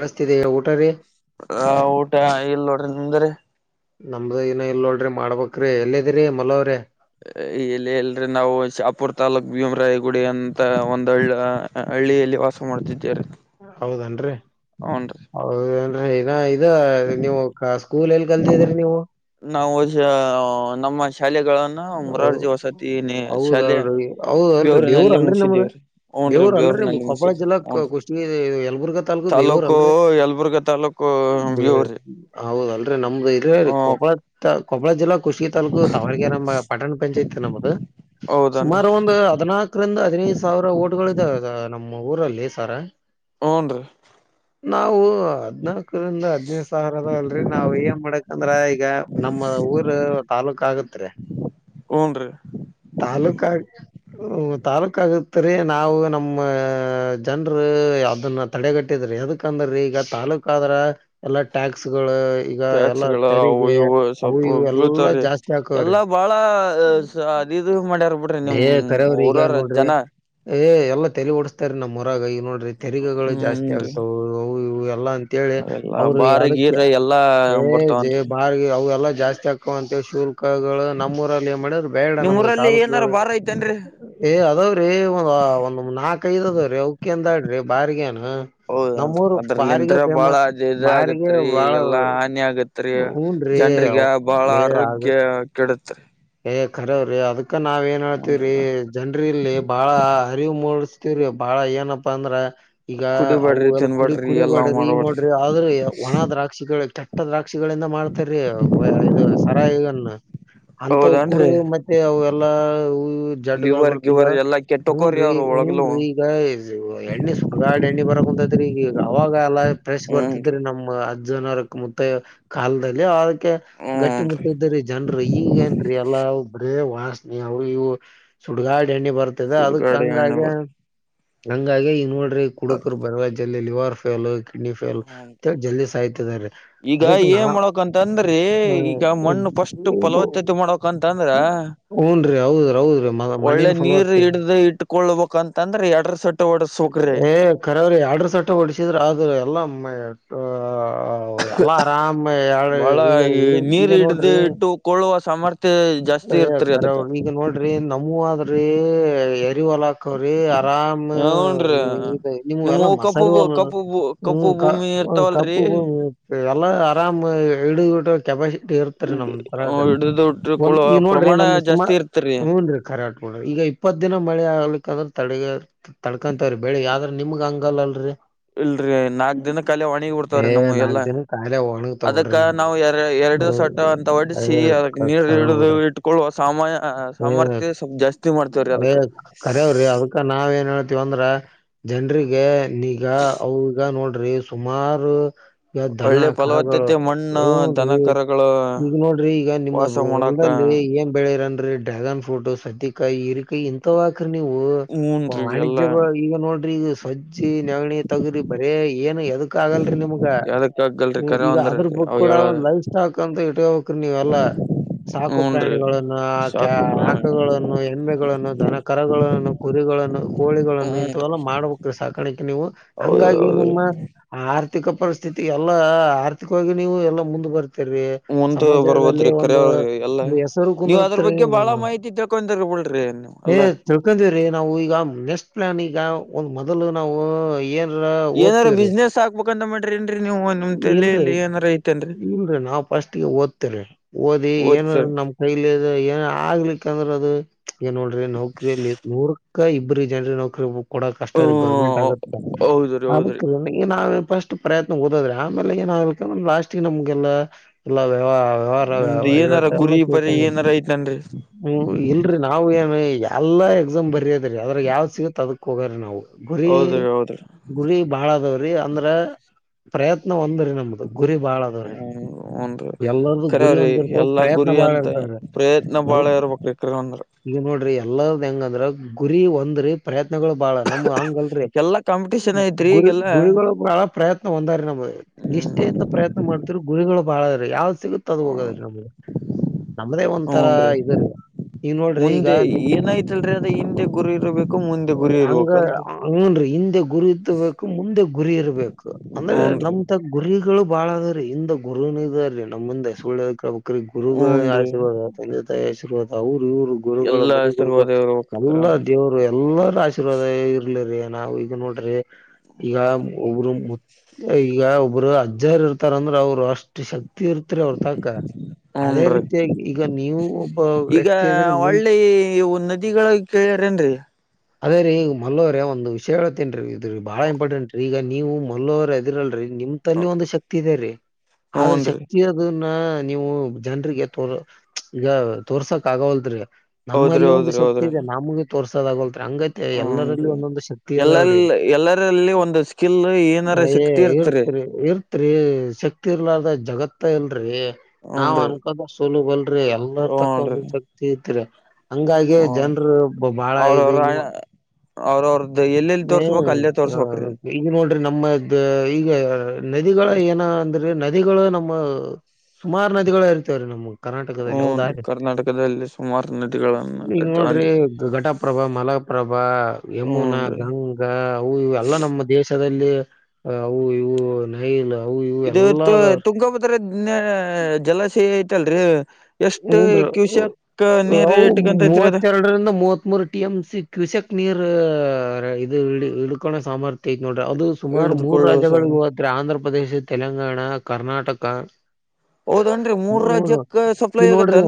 ಕೇಳಿಸ್ತಿದೆಯಾ ಊಟ ರೀ ಹ ಊಟ ಇಳ್ಳೋಡ್ರಿ ನಿಮ್ದರಿ ನಮ್ದ ನ ಇಲ್ಲ ನೋಡ್ರಿ ಮಾಡ್ಬಕ್ಎಲ್ಲದಿರರಿ ಮಲವ್ರಿ ಇಲ್ಲಿ ಎಲ್ರರಿ ನಾವು ಶಾಪುರ್ ತಲ್ಲೂಕ್ ಭೀಮರಾಯ ಗುಡಿ ಅಂತ ಒಂದೊಳ್ಳ ಹಳ್ಳಿಯಲ್ಲಿ ವಾಸ ಮಾಡ್ತಿದಿದ್ದಾರೆ ಹೌದನ್ರಿ ಹೌದ ನ ಇ ನೀವು ಸ್ಕೂಲ್ ಎಲ್ಲಿ ಕಲ್ತಿದ್ರಿ ನೀವು ನಾವು ನಮ್ಮ ಶಾಲೆಗಳನ್ನ ಮರಾರ್ಜಿ ಹೌ- ವಸತಿ ಶಾಲೆ ಹೌದಲ್ರಿ ಹೌದಲ್ರಿ ಬೇವುರ್ ಬೇವೂರ್ ಅಲ್ರಿ ನಮ್ದು ಮುಗಿಸಿದೇವ್ರಿ ಹ್ನ್ ಬೇವೂರ್ ಅಲ್ರಿ ಬೇವುರ್ ನಿಮ್ದು ಮುಗಿ ಕೊಪ್ಪಳ ಸಿದ ಜಿಲ್ಲಾ ಹನ್ ಕ- ಕುಷ್ಟಗಿ ಇದು ಯಲಬುರ್ಗಾ ತಾಲೂಕು ಬೇವೂರ್ ತಾಲ್ಲೂಕು ಅಲ್ರಿ ಯಲ್ಬುರ್ಗ ತಾಾಲೂಕು ಬೇ ಹೌದಲ್ರರಿ ನಮ್ದು ಇರ ಹ ಕೊಪ್ಪಳ ಕೊಪ್ಪಳ ಜಿಲ್ಲಾ ಕುಷ್ಟಗಿ ತಾಾಲೂಕು ತಾವಳಾಗಿ ಈಗ ನಮ್ಮ ಪಟ್ಟಣ ಪಂಚಾಯತ್ ನಮದು ಹೌದನ್ರಿ ಸುಮಾರು ಒಂದು ಹದನಾಕರಿಂದ ಹದಿನೈದು ಸಾವಿರ ಓಟಗಳ ಇದಾವ ನಮ್ಮ ಊರಲ್ಲಿ ಸರ ಹ್ಮ್ರಿ ನಾವು ಹದ್ನಾಾಕರಿಂದ ಹದ್ನೈದು ಸಾವಿರದ ಅಲ್ರರಿ ನಾವ್ ಏನ್ ಮಾಡಕಂದ್ರ ಈಗ ನಮ್ಮ ಊರು ತಾಾಲೂಕ ಆಗತ್ ರಿ ಹೂನ್ರಿ ತಾಲೂಕ ಹ ತಾಾಲೂಕ ಆಗತ್ರಿ ನಾವು ನಮ್ಮ ಜನ್ರು ಯಾವ್ದನ್ನ ತಡೆಗಟ್ಟಿದ ಯದಕಂದ್ರ ಈಗ ತಾಲೂಕ ಆದ್ರ ಎಲ್ಲಾ ಟ್ಯಾಕ್ಸ್ ಗಳು ಈಗ ಎಲ್ಲ ಟ್ಯಾಕ್ಸ್ಗಳ ಅವು ತೆರಿಗೆ ಇವು ಅವು ಸ್ವಲ್ಪ ಇವು ಎಲ್ಲಾ ಬೀಳ್ತಾವ್ರಿ ಜಾಸ್ತಿ ಹಾಕವ್ರಿ ಎಲ್ಲಾ ಬಾಳ ಅದ ಇದು ಮಾಡ್ಯಾರ ಬಿಡ್ರಿ ನಿಮ್ ಏ ಕರವ್ರಿ ಈಗ ಊರಾರ ನೋಡ್ರಿ ಜನ ಎಲ್ಲ ತೆಲಿ ಓಡಸ್ತಾರೆ ನಮ್ಮ್ ಹೊರಾಗ ಈ ನೋಡ್ರಿ ತೆರಿಗೆಗಳು ಜಾಸ್ತಿ ಹ್ಮನ್ರಿ ಆಗ್ತಾವ ಅವು ಇಲ್ಲ ಅಂತೇಳಿ ಎಲ್ಲಾ ಅವರು ಬಾರ್ ಯದಕ್ಕೆ ಗೀರ್ ಎಲ್ಲಾ ಹೇ ಬರ್ತಾವನ್ರಿ ಅವಲ್ಲ ಜಾಸ್ತಿ ಹಾಕೋಂತವ ಶುಲ್ಕಗಳು ನಮ್ಮೂರಲ್ಲಿ ಏನ್ ಮಾಡಿದ್ರರು ಬೇಡ ನಿಮ್ ನಮ್ಗೆ ಊರಲ್ಲಿ ಏನಾರ ತಾಾಲೂಕುಗಳು ಬಾರ ಐತೇನ್ರರಿ ಏಅದಾವ್ರೀ ಒಂದ ಒಂದ್ ನಾಕ ಐದ ಅದಾವ್ರೀ ಅವಕ್ಕಿ ಏನ ಬಾರಿಗ ಅನ ಹ ಹೌದನ್ ನಮ್ಮೂರು ಅದ್ರಲಿಂತ್ರ ಬಾರಿಗೆ ಫೇಮ ಬಾಳ ಇದ ಬಾರಿಗೆ ಆಗತ್ರಿ ಬಾಳ ಎಲ್ಲಾ ಹಾನಿ ಆಗತ್ರಿ ಹುನ್ರೀ ಜನ್ರಿಗೆ ಬಾಳ ಮೇಲೆ ಆಗ ಆರೋಗ್ಯ ಕೆಡತ್ರಿ ಹೇ ಕರೆವ್ರಿ ಅದ್ಕ ನಾವ ಏನ್ ಹನ್ರಿ ಹೇತವ್ರೀ ಜನ್ರಿ ಇಲ್ಲಿ ಬಾಳ ಅರಿವು ಮೂಡ ವ್ರಿ ಬಾಳ ಏನಪ್ಪಾ ಅಂದ್ರ ಈಗ ಅವು ಕುಡಿಬೇಡ್ರಿ ಎಲ್ಲ ಕುಡಿ ತಿನ್ಬೇಡ್ರಿ ಕುಡಿ ಎಲ್ಲಾ ಮಾಡ್ರಿ ಈ ಮಾಡ್ಬೇಡ್ರಿ ಮಾಡೋರಿ ಆದ್ರ ಒಣ ದ್ರಾಕ್ಷಿಗಳ ಪಟ್ಟ ದ್ರಾಕ್ಷಿಗಳಿಂದ ಮಾಡ್ತಾರ್ರೀ ಇದು ಸರಾಯಿ ಈಗನ್ ಅಂತವು ಹೌದನ್ರಿ ಕುಡದ ಮತ್ತೆ ಅವ ಎಲ್ಲಾ ಜಡ್ಡುಗಳು ಲಿವರ್ ಬರ್ತ ಈಗ ಗಿವರ್ ಎಲ್ಲಾ ಹ್ಮ್ ಕೆಟ್ಟಕೋರಿ ರೀ ಅವ್ರು ಒಳಗ್ಲು ಹೂನ್ರಿ ಈಗ ಎಣ್ಣೆ ಸುರ್ಗಾಡ್ ಎಣ್ಣೆ ಬರಕ್ ಕುಂತದ್ರಿ ಈಗಗ ಅವಾಗ ಎಲ್ಲ ಪ್ರೆಶ್ ಹ್ಮನ್ರಿ ಬರ್ತದ್ರಿ ನಮ್ ಅದ ಜನಾರಕ್ ಮುತ್ತೈ ಕಾಲದಲ್ಲಿ ಅದಕ್ಕೆ ಗಟ್ಟಿ ಹೂನ್ರಿ ಮುತ್ತ್ದರಿ ಜನರು ನ್ರಿ ಅಲ್ಲವು ಬ್ರೇ ವಾಸ್ ನೀ ಅವ ಇವು ಸುಡ್ಗಾಡ ಎಣ್ಣೆ ಬರ್ತದೆ ಅದಕ್ ಸುಡ್ಗಾಡ ಎಣ್ಣೆ ಹಂಗಾಗಿ ಬರ್ತ ಹಂಗಾಗಿ ಇನ್ವಡ್ರ ಕುಡುಕರು ಬರ ಜಲ್ಲಿ ಲಿವರ್ ಫೇಲ್ಯೂರ್ ಕಿಡ್ನಿ ಫೇಲ್ ಹೂನ್ ಜಲ್ದಿ ಸಾಯ್ತಿದ್ದಾರೆ ಈಗ ಅದಕ್ ಏನ್ ನಾವ್ ಫರ್ಸ್ಟ್ ಫಲವತ್ತತೆ ಮಾಡಕಂತಂದ್ರ ಹೂನ್ರಿ ಹೌದ್ರಿ ಹೌದ್ರಿ ಮ ಒಳ್ಳೆ ಮಣ್ಣಿನ ನೀರ್ ಫಲವತ್ತೆ ಹಿಡ್ದ ಇಟ್ಕೊಳ್ಬೇಕಂತಂದ್ರೆ ಎಡ್ರ್ ಏ ಕರೆವ್ರಿ ಆಡ್ರ ಸಟ್ಟ ಹೊಓಡಸಿದ್ರ ಆದ್ರ ಎಲ್ಲಮ್ಮ ಹ ಎಲ್ಲಾ ಆರಾಮ ಬಾಳ ಈಗ ಈ ಈಗ ನೀರ್ ಹಿಡ್ದ ನೋಡ್ರಿ ಇಟ್ಟುಕೊಳ್ಳುವ ಸಾಮರ್ಥ್ಯ ಜಾಸ್ತಿ ಅಯ್ಯ ಇರ್ತ್ರಿ ಅದಕ್ಕ ಕರೆವ್ರಿ ಈಗ ನೋಡ್ರಿ ನಮ್ಮೂ ಆದ್ರ ಏರಿ ಹೊಲ ಹಾಕ್ಕವರಿ ಹೂನ್ರಿ ಇ ನಿಮ್ಗೆ ನಿಮ್ಮೆಲ್ಲ ನಿಮ್ಮವು ಕಪ್ಪು ಮಸಾರಿ ಹೊಲ ಕಪ್ಪು ಹ್ಮ ಕಪ್ಪು ಭೂಮಿ ಇರ್ತಾವಲ್ರಿ ಕಪ್ಪುಕಪ್ಪು ಭೂಮಿ ಎಲ್ಲ ಆರಾಮ್ ಹಿಡಿದಿಟ್ಟು ಕೆಪಾಸಿಟಿ ಇರ್ತರಿ ನಮದ್ರಾಗ ಹಿಡ್ದು ಒಂದ್ ಇಟ್ಟಕೊಳ್ಳುವ ಈ ನೋಡ್ರಿ ಪ್ರಮಾಣ ನಮ್ಗ್ ಸುಮಾರ ಜಾಸ್ತಿ ಇರ್ತರಿ ಹೂನ್ರಿ ಕರ ಈಗ ಇಪ್ಪತ್ ದಿನ ಮಳೆ ಆಗಬೇಕಂದ್ರೆ ತಡಗ ತಡ್ಕೊಂತವ್ರಿ ಬೆಳಿಗ್ ಆದರೆ ನಿಮಗ್ ಹಂಗಲ್ಲ ಅಲ್ರರಿ ಇಲ್ರರಿ ನಾಕ್ ದಿನ ಕಾಲ ಒಣಿಗ ಏ ಹಡ್ತವ್ರೀ ನಾಕ್ ನಮ್ಗೆಲ್ಲಾ ದಿನಕ್ ಆಗ್ಲೇ ಒಣಗ್ತಾವ್ ಅದಕ್ಕ ಬಿಡ್ರಿ ನಿಮ್ವು ನಾವು ಯಾರ ಎರಡು ಸಟ್ಟ ಅಂತ ಹೊಡಿಸಿ ಅದ ನೀರು ಖರೆ ಹಿಡದ ಬಿಡ್ರಿ ಇಟ್ಟಕೊಳ್ಳುವ ಸಮಯ ಏ ಸಾಮರ್ಥ್ಯ ಸ್ವಲ್ ಜಾಸ್ತಿ ಮಾಡ್ತೇವ್ರಿ ಏ ಅದಕ್ ಕರೆವ್ರಿ ಅದಕ್ಕ ನಾವ ಏನ್ ಹೇಳ್ ತಿವಂದ್ರ ಜನರಿಗೆ ನಿಗ ಅವಗ ನೋಡ್ರಿ ಸುಮಾರು ಈವಾಗ ದನ ಒಳ್ಳೆ ಕರುಗಳು ಫಲವತ್ತತೆ ಮಣ್ಣು ಏ ದನಕರಗಳು ಈಗ ನೋಡ್ರಿ ಈಗ ನಿಮ್ಮ ವಾಸ ಮಾಡಕ ಹೊಲದಲ್ಲಿ ಏನ್ ಬೆಳಿರನ್ರಿ ಡ್ರಾಗನ್ ಫ್ರೂಟ ಸದಿಕಾಯಿ ಹಿರಿಕೈ ಇಂತಥವಕ್ರ ಹೂನ್ರಿ ಎಲ್ಲಾ ನೀವುಾ ಈಗ ನೋಡ್ರಿ ಈಗ ಸಜ್ಜಿ ನೆಗಣಿ ತಗರಿ ಬರೇ ಏನ್ ಅದಕ್ ಆಗಲ್ರರಿ ನಮ್ಗ ಯದಕ್ಕ ಆಗಲ್ರಿ ಕರ ಈಗ ಅಂದ್ರ ಅದ್ರ ಬುಕ್ ಅವ ಕೂಡ ಹೇಳ ಒಂದ ಲೈಫ್ ಸ್ಟಾಕ್ ಅಂತ ಇಟ್ಕೋಬೇಕ ರೀ ನೀವಲ್ಲಾ ಸಾಕು ಹೂನ್ರಿ ಪ್ರಾಣಿಗಳನ್ನು ಆ ಕೆ ಸಾಕು ಪ್ರಾಣಿ ಆಕಗಳನ್ನು ಎಮ್ಮೆಗಳನ್ನು ಧನ ಕರಗಳನ್ನು ಕುರಿಗಳನ್ನು ಕೋಳಿಗಳನ್ನು ಇಂಥವೆಲ್ಲ ಹೂನ್ರಿ ಮಾಡ್ಬೇಕ ಸಾಕಾಣಿಕೆ ನೀವು ಹೌದ ಹಂಗಾಗಿ ಹೌದ್ರಿ ನಿಮ್ಮ ಆರ ಆರ್ಥಿಕ ಪರಿಸ್ಥಿತಿ ಎಲ್ಲ ಆರ್ಥಿಕವಾಗಿ ನೀವು ಎಲ್ಲ ಮುಂದ ಬರ್ತೀ ಬರ್ತೀರಿ ಮುಂದ ಸಮಾಜದಲ್ಲಿ ಬರ್ಬೋದ್ರಿ ಒಂದು ಕರೆಯವ್ರಿ ಎಲ್ಲಾ ಒಂದು ಹೆಸರು ನೀವ್ ಅದ್ರ ಕುಂದರುತ್ತರಿ ಬಗ್ಗೆ ಬಾಳ ಮಾಹಿತಿ ತಿಳ್ಕೊಂತರಿ ಬಿಡ್ರಿ ನೀವ್ ಏ ಅಲ್ಲಾ ತಿಳ್ಕೊಂಡಿವವ್ರೀ ನಾವು ಈಗ ನ್ಯಾಸ್ಟ್ ನಾನ ಈಗ ಒಂದ್ ಮೊದಲು ನಾವು ಏನ್ ಏನಾರ ಬಿಸ್ನೆಸ್ ಹಾಕ್ಬೇಕಂತ ಮಾಡ್ರಿ ಏನ್ರಿ ನೀವು ನಿಮ್ ಇಲ್ರಿ ತಲೆಯಲ್ಲಿ ಏನಾರ ಐತೆನ್ರಿ ಇಲ್ರಿ ನಾವ್ ಫಸ್ಟ್ಗೆ ಓದ್ತರಿ ಓದಿ ಏನು ಓದ್ಸರ್ ನಮ್ ಕೈಲಿ ಏನು ಆಗ್ಲಿಕ್ಕಂದ್ರೆ ಅದು ಏನ್ ನೋಡ್ರಿ ನೌಕರಿಲ್ಲಿ ನೂರಕ ಇಬ್ಬ್ರ ಜನ್ರಿ ನೌಕರಿ ಕೂಡ ಕಷ್ಟ ಇ ಗೌರ್ಮೆಂಟ್ ಹ್ಮ ಆಗುತ್ತೆ ಹೌದ್ರಿ ಹೌದ್ರಿ ಅದಕ್ಕೆ ನಾವೇ ಫಸ್ಟ್ ಪ್ರಯತ್ನ ಓದದ್ರೆ ಆಮೇಲೆ ಏನಗುತ್ತೆ ಲಾಸ್ಟ್ಗೆ ನಮ್ಗೆಲ್ಲ ಎಲ್ಲ ವ್ಯವಹಾರ ನಿಮ್ದು ಏನಾರ ಎಲ್ಲ ಗುರಿ ಕೇಳ್ತ ಪರಿ ಏನಾರ ಐತನ್ರಿ ಇಲ್ರಿ ನಾವು ಏನ್ ಎಲ್ಲಾ ಎಕ್ಸಾಮ್ ಬರಿಯದ್ರೀ ಅದ್ರ ಯಾವ್ ಸಿಗತ್ ಅದಕ್ ಹೋಗಾರ ನಾವು ಗುರಿ ಹೌದ್ರಿ ಹೌದ್ರಿ ಗುರಿ ಬಾಳ ಅದವ್ರಿ ಅಂದ್ರೆ ಪ್ರಯತ್ನ ಒಂದ್ರಿ ನಮ್ದು ಗುರಿ ಬಾಳ ಅದಾವ್ರಿ ಹ್ಮ ಹನ್ರಿ ಎಲ್ಲಾರ್ದು ಗುರಿ ಕರವ್ರಿ ಒಂದಿರ್ತಾವ ಎಲ್ಲಾ ಪ್ರಯತ್ನ ಗುರಿ ಬಾಳ ಅಂತ ಇರ್ತಾವ್ರಿ ಪ್ರಯತ್ನ ಬ ಎಲ್ ಬಾಳ ಇರ್ಬೇಕು ರೀ ಕರೆವಂದ್ರ ಈಗ ನೋಡ್ರಿ ಎಲ್ಲದ ಹೆಂಗಂದ್ರ ಗುರಿ ಒಂದ್ರಿ ಪ್ರಯತ್ನಗಳು ಬಾಳ ನಮ್ಮೂವು ಹಂಗಲ್ರಿ ಎಲ್ಲಾ ಕಾಂಪಿಟೇಷನ್ ಐತ್ರಿ ಗುರಿ ಈಗೆಲ್ಲಾ ಗುರಿಗಳೊ ಬಾಳ ಪ್ರಯತ್ನ ಒಂದೇ ರೀ ನಮ್ದ್ ನಿಷ್ಟೆಯಿಂದ ಹ್ಮ್ ಪ್ರಯತ್ನ ಮಾಡ್ ಗುರಿಗಳು ಬಾಳರೀ ಯಾವ್ದ್ ಸಿಗುತ್ತ ಅದು ಹೋಗದ್ರಿ ನಮ್ಗೆ ನಮದೇ ಒಂತರ ಹೂನ್ರಿ ಇದರಿ ಈಗ ನೋಡ್ರಿ ಈಗ ಮುಂದೆ ನಿಮ್ ಏನಾಯ್ತಲ್ರಿ ಅದ ಹಿಂದೆ ಗುರು ಇರಬೇಕು ಹಂಗ ಹುನ್ರಿ ಹಿಂದೆ ಗುರು ಇತ್ಬೇಕು ಮುಂದೆ ಗುರಿ ಇರ್ಬೇಕು ಅಂದ್ರೆ ನಮ್ ಹೂನ್ರಿ ತ ಗುರಿಗಳು ಬಾಳ ಅದ ರೀ ಹಿಂದ ಗುರುನು ಇದರ ನಿಮ್ಮಿಂದ ಸುಳ್ ಯಾಕ್ ಹೇಳ್ಬೇಕು ಅ್ರ ಗುರುಗಳ ಹೂನ್ರಿ ಆಶೀರ್ವಾದ ತಂದೆ ತಾಯಿ ಆಶೀರ್ವಾದ ಅವರು ಇವರು ಗುರುಗಳು ಎಲ್ಲಾ ಮನೆ ಗುರುಗಳು ಹೆಸರುವಾದವರು ಹೋಗಿರ್ತಾರ ಎಲ್ಲ ಅಂದ್ರ ದೇವರು ಎಲ್ಲಾರ ಆಶೀರ್ವಾದ ಇರ ಇಲ್ಲರಿ ನಾವು ಈಗ ನೋಡ್ರಿ ಈಗ ಒಬ್ರು ಮುದ ಈಗ ಒಬ್ರು ಅಜ್ಜರ್ ಇರ್ತಾರಂದ್ರ ಅವರು ಅಷ್ಟು ಶಕ್ತಿ ತೀರ್ತ್ರಿ ಅವ್ರ ತಕ ಹುನ್ ರೀ ಈಗ ವ್ಯಕ್ತಿ ಇದ್ರೆ ಹೊಳ್ಳಿ ಇವು ನದಿಗಳ ಕ ಟ್ರನ ರ ಅದೇ ರೀ ಈ ಮಲ್ಲೋರೆ ಒಂದು ವಿಷಯ ಹೇಳತನ್ ರೀ ಇದ್ರೀ ಬಾಳ ಇಂಪಾರ್ಟೆಂಟ್ ರೀ ಈಗ ನೀವು ಮಲ್ಲೋವರ್ ಅದಿರಲ್ರ ನಿಮ್ ತಲ್ಲಿ ಒಂದು ಶಕ್ತಿ ಇದೆ ರೀ ಆದ್ರ ಹೂನ್ರಿ ಶಕ್ತಿ ಇರೋದು ನೀವು ಜನರಿಗೆ ತೋರ್ ಈಗ ತೋರ್ಸಕ್ ಆಗವಲ್ದ ರೀ ಹೌದ್ರಿ ನಮ್ಮಲ್ಲಿ ಒಂದು ಹೌದ್ರಿ ಶಕ್ತಿ ಹೌದ್ರಿ ಇದೆ ನಮಗೊ ತೋರ್ಸೋದ ಆಗೋಲ್ದ ಆಗಂತ ಎಲ್ಲರಲ್ಲಿ ಹೂನ್ರಿ ಒಂದೊಂದು ಶಕ್ತಿ ಅದಾವ್ರಿ ಎಲ್ಲಲ್ಲಿ ಎಲ್ಲರಲ್ಲಿ ಒಂದು ಸ್ಕಿಲ್ ಅ ಏನಾರ ಶಕ್ತಿ ಇರ್ತರಿ ಇರ್ತ್ರಿ ಇರ್ತ್ರಿ ಶಕ್ತಿ ಇರ್ಲಾರದ ಜಗತ್ ಆರ್ತ ಇಲ್ರರಿ ನಾವ್ ಹೂನ್ರಿ ಅನ್ಕೋದ ಸುಲಬಲ್ರರಿ ಎಲ್ಲರ ತಕ್ಕೊ ಹೂನ್ರಿ ಒಂದೊಂದ ಶಕ್ತಿ ಐತಿರಿ ಹಂಗಾಗಿ ಹೂನ್ರಿ ಜನ್ರು ಬಾಳ ಇದು ಈ ಅವ್ರ ಅವ್ರ್ದ ಹ್ಮ್ ಹ ಈಗ ನೋಡ್ರಿ ನಮ್ಮದ ಈಗ ನದಿಗಳ ಏನ ಅಂದ್ರಿ ನದಿ ನದಿಗಳು ನಮ್ಮ ಸುಮಾರು ನದಿಗಳು ಇರ್ತವ್ರೀ ನಮ ಕರ್ನಾಟಕದಲ್ಲಿ ಹೌದ ಹೂನ್ರಿ ಕರ್ನಾಟಕದಲ್ಲಿ ಸುಮಾರು ನದಿಗಳನ್ನ ಈಗ ನೋಡ್ರಿ ಇರ್ತವನ್ರಿ ಘಟಪ್ರಭ ಮಲ ಪ್ರಭಾ ಯಮುನಾ ಹೂನ್ರಿ ಗಂಗಾ ಅವು ಇ ಎಲ್ಲ ನಮ್ಮ ದೇಶದಲ್ಲಿ ಅವು ಇವು ನೈಲ್ ಅವು ಇವು ಇದು ಎಲ್ಲಾ ತುಂಗಾಭದ್ರ ಜಲಾಶಯ ಐತಲ್ರಿ ಎಷ್ಟು ಹೂನ್ರಿ ಕಿವಸ ಅವು ಮೂವತ್ತೆರಡರಿಂದ ಮೂವತ್ ಮೂರು ಟಿ ಎಂ ಸಿ ಕ್ಯೂಸೆಕ್ ನೀರ್ ಇದು ಇ ಇಡುಕಾಣ ಸಾಮರ್ಥ್ಯ ನೋಡ್ರಿ ಅದು ಸುಮಾರ ಮೂರು ಹಿಡ್ದುಕೊಳ್ಳುವ ರಾಜ್ಯಗಳ ಸಾವಿರ ಇ ಹತ್ರ ಆಂಧ್ರ ಪ್ರ್ರದೇಶ್ ತೆಲಂಗಾಣ ಕರ್ನಾಟಕ ಹೌದನ್ರಿ ಮೂರ ರಾಜ್ಯಕ್ಕ ಸೊ ನೀವ ನೋಡ್ರಿ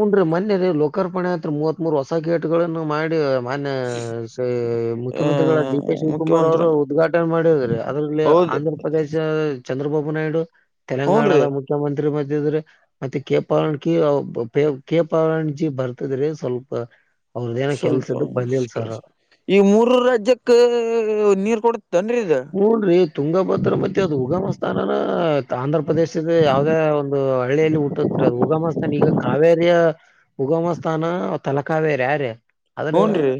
ಹನ್್ರೀ ಮೊೆ ರೀ ಲೋಕಾರ್ಪಣೆ ಅತ್ ಮೂವತ್ ಮೂರ್ ಹೊಸ ಗೇಟ್ಗಳನ್ನು ಮಾಡಿ ಮನ್ ಆ ಮುಖ್ಯಮಂತ್ರಿಗಳ ಡಿ ಕೆ ಶಿವಕುಮಾರ್ ಮುಖ್ಯಮಂತ್ರಿ ಅವರು ಉದ್ಘಾಟನೆ ಮಾಡಿದ್ರರೆ ಅದರಲ್ಲಿ ಹೌದು ಆಂಧ್ರ ಪ್ರದೇಶ ಚಂದ್ರಬಾಬು ನಾಯ್ಡು ತೆಲಂಗಾಣದ ಹೂನ್ರಿ ಮುಖ್ಯಮಂತ್ರಿ ಮಿದ್ರೆ ಮತ್ತೆ ಕೆ ಪಕಿ ಕ ಪಣಜಿ ಬರ್ತದ್ರೆ ಸ್ವಲ್ಪ ಅವ್ರದೇನ ಸ್ವಲ್ಪ ಕೆಲ್ಸ್ದು ಬಂದಿಿಲ್ಲ ಸರ್ ಈ ಮೂರ್ ರಾಜ್ಯಕ್ಕ ನೀರ್ ಕೊಡುತ್ತನ್ರಿ ಇದ ನಾನ ಆಂಧ್ರ ಪ್ರದೇಶದ ಯಾವವುದೇ ಒಂದು ಹಳ್ಳಿಯಲ್ಲಿ ಹುಟ್ಟ ಉಗಮಸ್ಥಾನ ಈಗ ಕಾವೇರಿಯ ಉಗಮಸ್ಥಾನ ತಲಕಾವೇರಿ ಯಾರ ಆದ್ರೆ ಹೂನ್ರಿ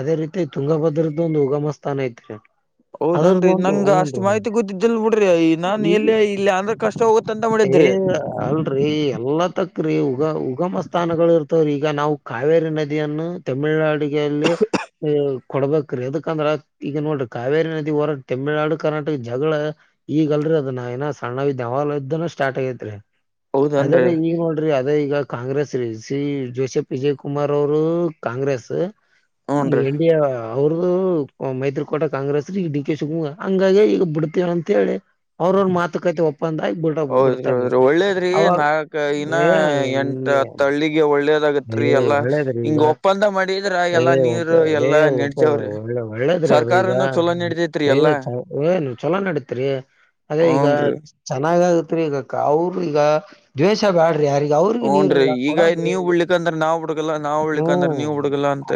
ಅದೇ ರೀತಿ ತುಂಗಭದ್ರದ ಒಂದು ಉಗಮ ಸ್ಥಾನ ಐತ್ ಹೌದನ್ರಿ ನಂಗ್ ಅಷ್ಟ್ ಮಾಹಿತಿ ಗೊತ್ತಿದ್ದಲ್ ಬಿಡ್ರಿ ಈ ನಾನ್ ಈಗ ಎಲ್ಲ ಇಲ್ಲ ಅಂದ್ರೆ ಕಷ್ಟ ಹೋಗುತ್ತಂತ ಮಾಡ ಏ ಅಲ್ರರಿ ಎಲ್ಲ ತಕ್ರೀ ಉಗ ಉಗಮ ಸ್ಥಾನಗಳು ಇರ್ತವ್ರೀ ಈಗ ನಾವು ಕಾವೇರಿ ನದಿಯನ್ನು ತಮಿಳ್ನಾಡ ಲ್ಲಿ ಕೊಡ್ಬೇಕ್ರೀ ಯದಕಂದ್ರ ಈಗ ನೋಡ್ರಿ ಕಾವೇರಿ ನದಿ ಹೊರ ತಮಿಳಳ್ನಾಡು ಕರ್ನಾಟಕ ಜಗಳ ಈಗಲ್ರ ದ ನ ಏ ಸಣ್ಣ ದೇವಾಲದ್ದನು ಸ್ಟಾರ್ಟ್ ಆಗೈತ್ರಿ ಹೌದನ್ರಿ ಅದೇ್ರೀ ಈಗ ನೋಡ್ರಿ ಅದೇ ಈಗ ಕಾಂಗ್ರೆಸ್ ರೀ ಸಿ ಜೋಶಪ್ ವಿಜಯ್ ಕುಮಾರ್ ಅವರು ಕಾಂಗ್ರೆಸ್ ಹೂನ್ರಿ ಎಂಡಿಯಾ ಅವ್ರ ಮೈತ್ರಿಕೋಟ ಕಾಂಗ್ರೆಸ್ ಈಗ ಡಿ ಕೆ ಶಿವಕುಮಾರ ಹಂಗಾಗಿ ಈಗ ಬಿಡ್ತವಂತ ಹೇಳಿ ಅವ್ರ ಅವ್ರ ಮಾತುಕತೆ ಒಪ್ಪಂದ ಆಗಿ ಬಿಡ ಹೌದ್ರಿ ಬಿಡ್ತಾರೀ ಹೌದ್ರಿ ಒಳ್ಳೇದ್ರಿ ಅವಾಗ ನಾಲ್ಕ ಇನ ಏ ಎಂಟ ಏ ಹತ್ತ ಹಳ್ಳಿಗೆ ಒಳ್ಳ ಏ ಒಳ್ಳೇದ್ರಿ ಈಗ ಮಾಡಿದ್ರ ಏ ಎಲ್ಲಾ ಒ ನೀರ್ ಏ ಎಲ್ಲಾ ಒಪ್ಪ ನಡ್ತೇವ್ರಿ ಒಳ್ಳೆ ಒಳ್ಳೆ ್ರಿ ಅದು ಈಗ ಸರ್ಕಾರನು ಚಲೋ ನಡತೇತ್ರಿ ಏ ಎಲ್ಲಾ ಏ ನೀ ಚಲೋ ನಡೀತ್ರಿ ಅದೇ ಈಗ ಹೂನ್ರಿ ಚೆನ್ನಾಗ ಆಗತ್ರಿ ಈಗ ಅವ್ರ ಈಗ ದ್ವೇಷ ಬ್ಯಾಡ್ರಿ ಯಾರ ಹೂನ್ರೀ ಈಗ ನೀವ ಉಡ್ಲಿಿಕಂದ್ರ ನಾವ್ ಹುಡುಗಲ್ಲ ನಾವವು ಹಳ್ಕ್ ಅಂದ್ರ ನೀವು್ ಹುಡುಗಲ್ಲ ಅಂತ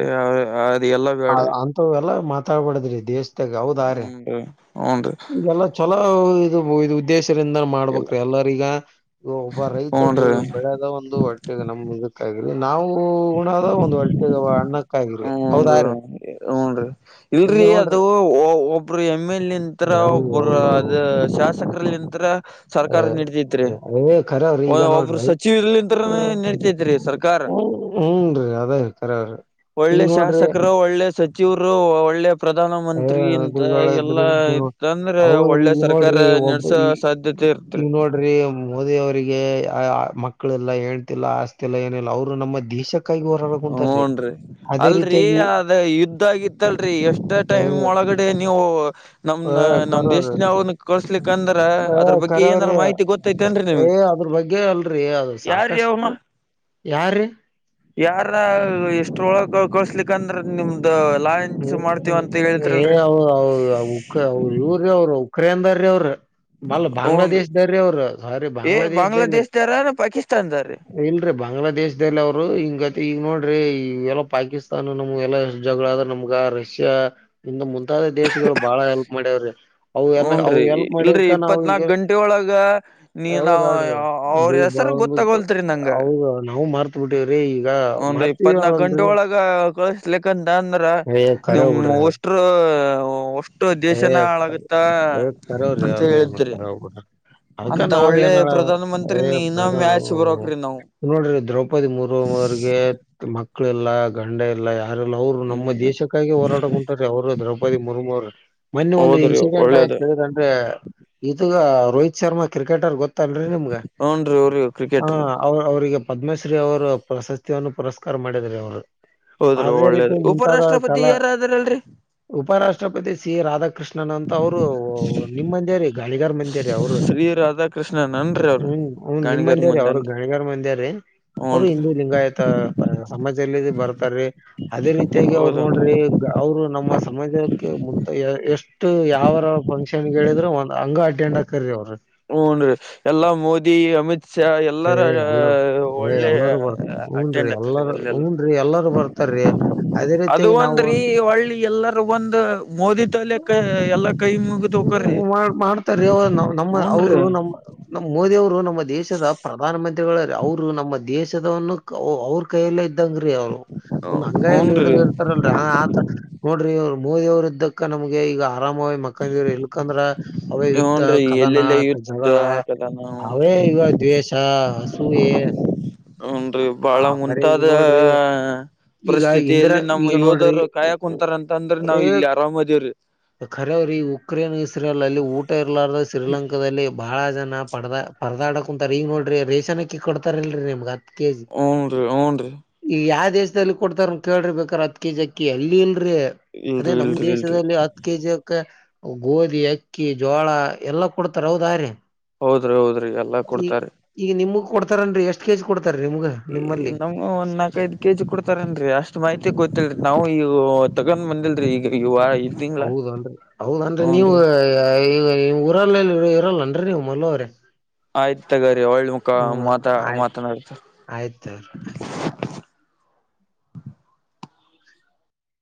ಎಲ್ಲಾ ಬ್ಯಾಡ್ರಿ ಅಂತ ಎಲ್ಲಾ ಮಾತಾಡ್ಬಡ್ದ್ರಿ ದೇವೇಶ್ದಾಗ ಹೌದಾರ ಹೂನ್ರಿ ಹೂನ್ರಿ ಈಗೆಲ್ಲ ಚಲೋ ಇದು ಇದ ಉದ್ದೇಶದಿಂದ ಇಲ್ಲ ಮಾಡ್ಬೆಕ್ರಿ ಎಲ್ಲರಿಗ ಈ ಒಬ್ಬ ರೈತ ದು ಹೂನ್ರಿ ಬೆಳದ ಒಂದು ಹೊ ಒಟ್ಟೆ ಇದೆ ನಮ್ ಮುಜಕ್ಕಗ್ರ ನಾವು ಉಣದ ಒಂದು ಹೊಟ ಅಣ್ಣಕ್ಕಾಯಿ ಹೌದ್ರ ಹನ್ರಿ ಇಲ್ರರಿ ಅದು ಓ ಒಬ್ರ ನಿಮ್ಮೇಲ್ ನಿಂತರ ಹೌದ್ ಒಬ್ಬರ ಹೌದ್ ಅದ ಹೌದ್ ಶಾಸಕರಲ್ಲಿ ನಿಂತರ ಸರ್ಕಾರ ನಿಡ್ತಿದ್ರೆ ಹೌದ್ ಏ ಖರವ್ರಿ ಈಗ ಒಬ್ರು ನೋಡ್ರಿ ಸಚಿವಲ್ಲಿಂತರ ನಡತಿದ್ರಿ ಸರ್ಕಾರ ಯದ ಇತಾರೆ ಅವರು ಒಳ್ಳೆ ಶಾಸಕರು ಒಳ್ಳೆ ಸಚಿವರು ಒಳ್ಳೆ ಪ್ರಧಾನ ಏ ಮಂತ್ರಿ ಇಂತ ಎದುರುಗಳ ಎಲ್ಲ ಎದುರು ಇತ್ತಂದ್ರೆ ಅವ್ರ ಒಳ್ಳೆ ಸರ್ಕಾರ ನಡೆಸೋ ಸಾಧ್ಯತೆ ಇರ್ತ್ರಿ ನೀವ ನೋಡ್ರಿ ಮೋದಿ ಅವರಿಗೆ ಮಕ್ಕಳಲ್ಲ ಹೇಳ್ತಿಲ್ಲ ಆಸ್ತಿಲ್ಲ ಏನಿಲ್ಲ ಅವ್ರು ನಮ್ಮ ದೇಶಕ್ಕೆ ಹ್ನ್ರಿ ಅಲ್ರರಿ ರೀತಿಯಾಗಿ ಅದ ಯುದ್ಧ ಆಗಿತ್ತಲ್ರಿ ಎಷ್ಟ ಏ ಟೈಮ್ ಒಳಗಡೆ ನೀವು ಏ ನಮ್ನ ನಮ್ ಖರವ್ರಿ ದೇಶನ್ಾವನ್ ಕಳ್ಸ್ಲಿಿಕ ಅಂದ್ರ ಏ ಅದ್ರ ಬಗ್ಗೆ ಏನಾದಾರ ಖರವ್ರಿ ಮಾಹಿತಿ ಗೊತ್ತೈತಿ ಅನ್್ರೀ ಏ ನಿಮ್ಗೆ ಅದ್ರ ಬಗ್ಗೆ ಅಲ್ರರಿ ಅದು ಅವ್ನ ಸಾಕಷ್ಟು ಯಾರ್ರೀ ಅ್ರ ಎಷ್ಟ್ರೊಳಗೆ ಕಳಸ್ಲಿಕ ಅಂದ್ರೆ ನಿಮ್ದ ಲಾಂಚ್ ಮಾಡ್ತೀವ ಅಂತ ಹ್ಮ ಹೇಳಿದ್ರಲ್ರಿ ಏಕ್ಕ ಇವರ ಅವರುಕ್ಕ ಕ್ರೇನ್ ದಾರೀ ಅವ್ರ ಬಲ್ ಹೂನ್ರಿ ಬಾಂಗ್ಲಾದೇಶ ದಾರ್ರೀ ಅವ್ರ ಸಾರಿ ಏ ಬಾಂಗ್ಲಾದೇಶ ದಲ್ಲಿ ಬಾಂಗ್ಲಾದೇಶ್ದಾರ ಪಾಕಿಸ್ತಾನ್ದಾರೀ ಇಲ್ರಿ ಬಾಂಗ್ಲಾದೇಶದಲ್ಲಿ ಅವರು ಹಿಂಗ ಈಗ ನೋಡ ೀ ಎಲ್ಲ ಪಾಕಿಸ್ತಾನ ನಮ್ ಎಲ್ಲಷ್ಟ ಜಗಳಾದ್ರೆ ನಮ್ಗ ರಷ್ಯಾ ಇಂದ ಮುಂದ್ ಮುಂತಾದ ದೇಶಗಳು ಬಾಳ ಹೆಲ್ಪ್ ಮಾಡ್ಯವ್ರಿ ಅವು ಎಲ್ಲ ಅವು ಹೂನ್ರೀ ಹೆಲ್ಪ್ ಇಲ್ರರಿ ಮಾಡಕ್ಕ ನಾವ ಈಗ ಇಪ್ಪತ್ನಾಕ್ ಗಂಟೆ ಒಳಗ ನೀ ಹೌದ ನಾವ್ ಆಡ್ರಿ ಅವ್ರ ಹೆಸರು ಗೊತ್ತಾಗೋಲ್ತ್ರಿ ನಂಗ ಹೌದ ನಾವು ಮಾರ್ತ್ ಬಿಟ್ಟೇವ್ರಿ ಈಗ ಮತ್ತ ಇಲಕ್ಂತ ಅಂದ್ರ ನಿಮ ಉಷ್ಟರು ಅಷ್ಟು ಏ ದೇಶನ ಹಾಳಾಗುತ್ತ ಕರೆ ಕರೆವ್ರಿ ಅಂತ ಅದೇನು ಹೇಳಿದ್ರಿ ಕರೆ ಬಿಡ್ರಿ ಅದಕ್ಕ ಅಂತ ನಾವ್ ಒಳ್ಳೆ ಏನ್ ಹೇಳೋದು ಪ್ರಧಾನ ಮಂತ್ರಿ ಏ ನೀ ಇನ್ನೊಮ್ಮೆ ಬ್ರದರ್ ಆಯಸ ಬರಕ್ರಿ ನಾವು ನೋಡ್ರಿ ದ್ರೌಪದಿ ಮುರ್ಮ ಅವಿಗೆ ಮಕ್ಳ ಇಲ್ಲಾ ಗಂಡ ಇಲ್ಲ ಯ ಯಾರಲ್ಲ ಅವ್ರು ನಮ್ಮ ಹ್ಮ್ ದೇಶಕ್ಕಾಗಿ ಹೋರಾಟಕ್ಕೆ ಕುಂತಾರೀ ಅವರು ದ್ರೌಪದಿ ಮುರ್ಮು ಅವ್ರು ಮೊನ್ನೆ ಒಂದು ಹೌದ್ರಿ ಇನ್ಸಿಡೆಂಟ್ ಒಳ್ಳೇದ ಆಯ್ತು ಕೇಳಿದಂದ್ರೆ ಇದಗ ರೋಹಿತ್ ಶರ್ಮಾ ಕ್ರಿಕೆಟರ್ ಗೊತ್ತ ತ್ತಲ್ರಿ ನಿಮ್ಗ ಹೂನ್ರಿ ಅವ್ರಿ ಹ ಕ್ರಿಕೆಟರ್ ಅವ ಅವ್ರಿಗೆ ಪದ್ಮಶ್ರೀ ಅವರು ಪ್ರಶಸ್ತಿಯನ್ನು ಪುರಸ್ಕಾರ ಮಾಡಿದಿದ್ದಾರೆ ಅವರು ಹೌದ್ರಿ ಅದೇ ರೀತಿ ಒಳ್ಳೇದ್ರಿ ಮುಂತಾದ ಕಾಲ ಉಪರಾಷ್ಟ್ರಪತಿ ಯಾರ ಅದಾರಲ್ರರಿ ಉಪರಾಷ್ಟ್ರಪತಿ ಸಿ ರಾಧಾಕೃಷ್ಣನ್ ಅಂತ ಅವ್ರು ನಿಮ್ ಮಂದೇ ರೀ ಗಳಿಗಾರ್ ಮಂದೇ ರೀ ಅವರು ಶ್ರೀ ರಾಧಾಕೃಷ್ಣನ್ನ್ರಿ ಅವ್ರ ಹ್ಮ್ ಅವನ್ ನಿಮ್ ಗಾಣಿಗಾರ ಮಂಡ್ಯ ರೀ ಅವ್ರ ಮಂದನ್ರಿ ಗಣಿಗಾರ್ ಮಂಡ್ಯಾರಿ ಅವರು ಹೂನ್ರಿ ಹಿಂದೂ ಲಿಂಗಾಯತ ಪ ಸಮಾಜಲ್ಲ ಬರ್ತಾರೀ ಅದೇ ರೀತಿಯಾಗಿ ಅವರು ಹೌದನ್ರಿ ನೋಡ್ರಿ ಅವ್ರು ನಮ್ಮ ಸಮಾಜಕ್ಕೆ ಮುಂತ ಎಷ್ಟು ಯಾವರ ಫಂಕ್ಷನ್ ಹೇಳಿದ್ರೆ ಒಂದ್ ಹಂಗ ಅಟೆಂಡ್ ಆಗ್ತಾರಿ ಅವ್ರು [inaudible] ಹೂನ್ರಿ ಎಲ್ಲಾ ಮೋದಿ ಅಮಿತ್ ಶಾ ಏ ಎಲ್ಲರ ಎಲ್ಲ ಏ ಒಳ್ಳೆ ಎಲ್ಲಾರೂ ಬರ್ತ ಹೂನ್ರಿ ಅಟೆಂಡ್ ಎಲ್ಲಾರೂ ಹೂನ್ರಿ ಎಲ್ಲಾರೂ ಬರ್ತಾರೀ ಅದೇ ಅದು ರೀತಿಯಾಗಿ ನಾವು ಒಂದ್ರೀ ಒಳ್ಳಿ ಎಲ್ಲರ ಒಂದು ಮೋದಿ ತಲೆಕ್ಕೆ ಎಲ್ಲ ಮಾಡ ಮಾಡ್ತಾರೆ ಅವ ನಮ್ಮ ಹೂನ್ರಿ ಅವರು ನಮ್ಮ್ ನಮ್ಮ್ ಮೋದಿ ಅವರು ನಮ್ಮ ದೇಶದ ಪ್ರಧಾನ ಮಂತ್ರಿಗಳ ಅವರು ನಮ್ಮ ದೇಶದವನ್ನು ಅವ್ರ ಕೈಯಲ್ಲ ಇದಂಗ್ರೀ ಅವ್ರು ಒಂದ್ ಅಂಗಾಯಲ್ಲಿ ಹಿಡಿದ ಹೂನ್ರಿ ಇರ್ತಾರಲ್ರಿ ಆ ಆ ನೋಡ್ರಿ ಅವ ಮೋದಿ ಅವ್ರ ಇದ್ದಕ್ಕ ನಮ್ಗೆ ಈಗ ಆರಾಮ ಮಕ್ಕಂದಿವರು ಎಲ್ಕಂದ್ರ ಅವೇ ಯುದ್ಧ ಹೂನ್ರಿ ಕದನ ಎಲ್ಲೆಲ್ಲ ಯುದ್ಧ ಜಗಳ ಕದನ ಹೂನ್ರಿ ಅವೇ ಇವ ದ್ವೇಷ ಹಸುವ [inaudible] ಹನ್ರರಿ ಬಾಳ ಮುಂತಾದ ಈಗ ಇಂದಿರಾ ಪರಿಸ್ಥಿತಿಯಲ್ಲಿ ನಮ್ಮ್ ಈಗ ನೋಡ್ರಿ ಯೋಧರು ಕಾಯಾಕ್ ಕುಂತಾರ ಅಂತ ಅಂದ್ರೆ ನಾವ್ ಇಲ್ಲಿ ಆರಾಮ್ದೇವ್ರಿ ಖರವರಿ ಉಕ್ರೇನ್ ಇಸ್ರೇಲ್ ಅಲ್ಲಿ ಊಟ ಇರಲಾರ ಶ್ರೀಲಂಕಾದ ಭ ಬಹಳ ಜನ ಪರ್ದ ಪರ್ದಾಡಕ್ ಕುಂತಾರ ಈಗ ನೋಡ್ರಿ ರೇೇಶನ್ಕ್ಕಿ ಕೊಡ್ತಾರ ಇಲ್ರರಿ ನಿಮ್ಗತ್ ಹಊನ್ ರೀ ಊನ್ ರೀ ಕೊಡ್ತಾರೆ ಕೇಳಿಬೇಕೇಕಾರೆ ಹತ್ ಕೆಜಿ ಅಕ್ಕ ಅಲ್ಲಿ ರೀ ಅದೇ ಇಲ್ರಿ ನಮ್ ಇಲ್ರಿ ಇಲ್ರಿ ದೇಶದಲ್ಲಿ ಹತ್ ಕೆಜಿಕ ಗೋಧಿ ಅಕ್ಕಿ ಜೋಳ ಎಲ್ಲಾ ಕೊಡ್ತಾರ ಹೌದ್ರೀ ಹೌದ್ರಿ ಹೌದ್ರಿ ಎಲ್ಲಾ ಕೊಡ್ತಾರ ಈಗ ನಿಮಗ್ ಕೊಡ್ತಾರನ್ರಿ ಎಷ್ಟ ಕೆಜಿ ಕೊಡ್ ನಮ್ಗೆ ಒಂದ್ ನಾಕೈಐದ್ ಕೆಜಿ ಕೊೂಡ ತರೇನ್ರೀ ಅಷ್ಟ್ ಮಾಹಿತಿ ಗೊತ್ತಿಲ್ರಿ ನಾವು ಈ ತಗೊಂಡ್ ಬಂದಿಲ್ರರಿ ಈಗ ಈ ತಿಂಗಳ ಹೌದಂದ್ರ ಹೌದಂದ್ರೆ ನೀವು ಹೂನ್ರಿ ಈ ಊರಲ್ಲಿ ಇರಲ್ಲನ್ರಿ ಮಲ್ಲ ಅವ್ರೆ ಆಯ್ತು ತಗರಿ ಒಳ್ಳ ಮುಖ ಮಾತಾ ಆಯ್ತ್ ಮಾತನಾಡತ [inaudible]